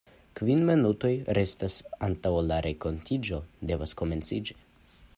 Kvin minutoj restas antaŭ ol la renkontiĝo devas komenciĝi.